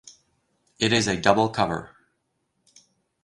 It is a double cover.